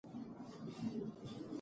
مطالعه د ماشوم پوهه او معلومات زیاتوي.